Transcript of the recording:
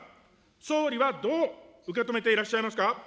総理はどう受け止めていらっしゃいますか。